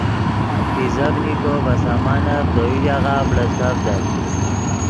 تیزڤنیکو ڤے سامانف دے یو ژاغہ بڑیڅڤدت